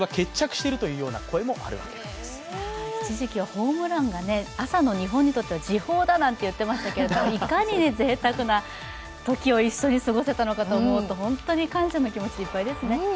ホームランが、朝の日本にとっては時報だなんて言っていましたけどいかにぜいたくな時を一緒に過ごせたのかと思うと本当に感謝の気持ちでいっぱいですね。